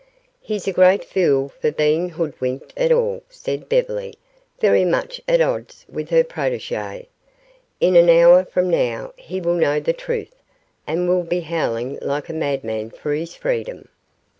"He's a great fool for being hoodwinked at all," said Beverly, very much at odds with her protege. "In an hour from now he will know the truth and will be howling like a madman for his freedom."